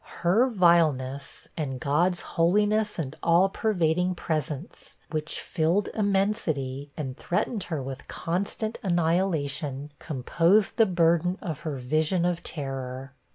Her vileness and God's holiness and all pervading presence, which filled immensity, and threatened her with constant annihilation, composed the burden of her vision of terror.